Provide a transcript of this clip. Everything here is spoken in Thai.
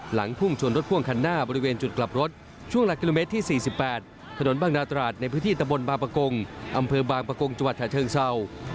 พุ่งชนรถพ่วงคันหน้าบริเวณจุดกลับรถช่วงหลักกิโลเมตรที่๔๘ถนนบางนาตราดในพื้นที่ตะบนบางประกงอำเภอบางประกงจังหวัดฉะเชิงเศร้า